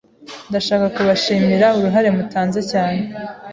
Ndashaka kubashimira uruhare mutanze cyane.